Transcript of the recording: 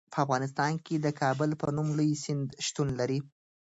په افغانستان کې د کابل په نوم لوی سیند شتون لري.